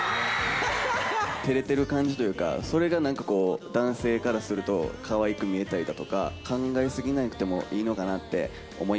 照れてる感じというか、それがなんかこう、男性からすると、かわいく見えたりだとか、考えすぎなくてもいいのかなって思い